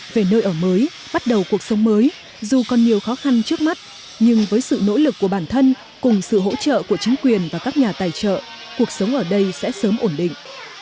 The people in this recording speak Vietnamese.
về nơi ở mới bắt đầu cuộc sống mới dù còn nhiều khó khăn trước mắt nhưng với sự nỗ lực của bản thân cùng sự hỗ trợ của chính quyền và các nhà tài trợ cuộc sống ở đây sẽ sớm ổn định